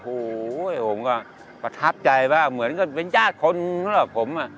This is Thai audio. โอ๊ยผมก็ประทับใจบ้างเหมือนกับเป็นญาติคนของผม